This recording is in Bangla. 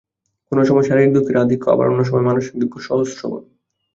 কোন সময় শারীরিক দুঃখের আধিক্য, আবার অন্য সময় মানসিক দুঃখ সহস্রগুণ।